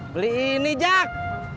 beli ini jack